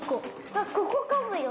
あっここかもよ。